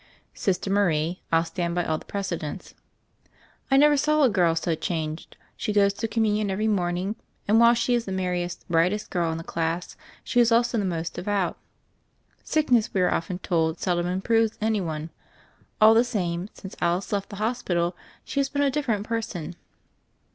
"Sister Marie, I'll stand by all the prece dents." "I never saw a girl so changed; she goes to Communion every morning, and, while she is the merriest, brightest girl in the class, she is also the most devout. Sickness, we are often told, seldom improves any one. All the same, since Alice left the hospital she has been a different person.""